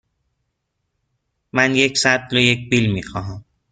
من یک سطل و یک بیل می خواهم.